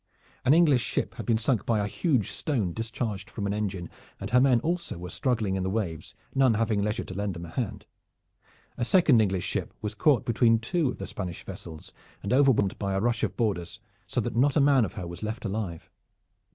An English ship had been sunk by a huge stone discharged from an engine, and her men also were struggling in the waves, none having leisure to lend them a hand. A second English ship was caught between two of the Spanish vessels and overwhelmed by a rush of boarders so that not a man of her was left alive.